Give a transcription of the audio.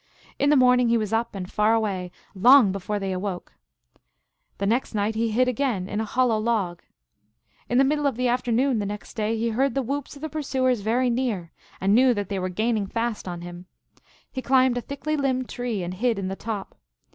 In the morning he was up and far away long before they awoke. The next night he hid again in a hollow log. In the middle of the afternoon of the next day he heard the whoops of the pursuers very near, and knew that they were gaining fast on him. He climbed a thickly limbed tree, and hid in the top.